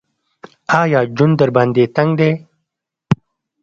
ایا ژوند درباندې تنګ دی ؟